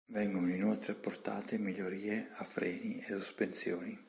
Vengono inoltre apportate migliorie a freni e sospensioni.